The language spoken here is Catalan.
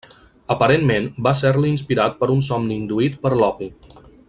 Aparentment, va ser-li inspirat per un somni induït per l'opi.